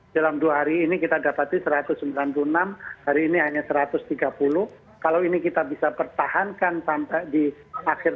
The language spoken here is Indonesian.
dalam dua hari ini kita dapati satu ratus sembilan puluh enam hari ini hanya satu ratus tiga puluh kalau ini kita bisa pertahankan sampai di akhir